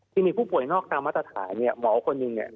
ที่มีผู้ป่วยนอกตามมาตรฐานเนี่ยหมอคนหนึ่งเนี่ย